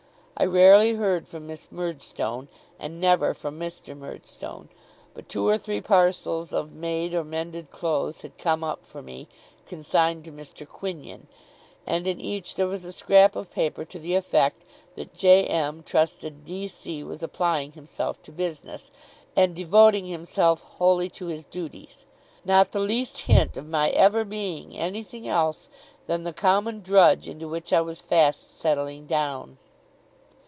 I rarely heard from Miss Murdstone, and never from Mr. Murdstone: but two or three parcels of made or mended clothes had come up for me, consigned to Mr. Quinion, and in each there was a scrap of paper to the effect that J. M. trusted D. C. was applying himself to business, and devoting himself wholly to his duties not the least hint of my ever being anything else than the common drudge into which I was fast settling down.